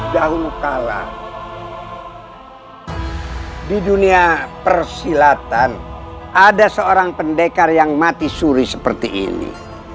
dahulu kala di dunia persilatan ada seorang pendekar yang mati suri seperti ini